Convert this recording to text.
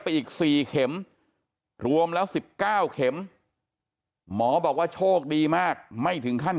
อีก๔เข็มรวมแล้ว๑๙เข็มหมอบอกว่าโชคดีมากไม่ถึงขั้น